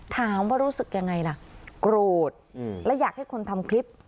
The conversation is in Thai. ทำว่ารู้สึกยังไง่ละกรูดอืมแล้วอยากให้คนทำคลิป